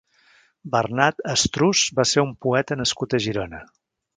Bernat Estruç va ser un poeta nascut a Girona.